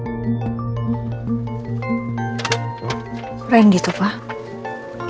apa yang itu pak